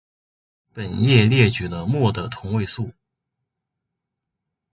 本页列举了镆的同位素。